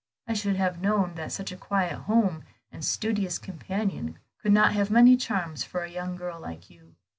I should have known that such a quiet home and studious companion could not have many charms for a young girl like you.